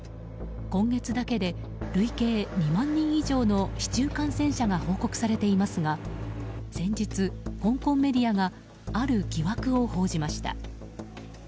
今月だけで累計２万人以上の市中感染者が報告されていますが先日、香港メディアがある疑惑を報じました。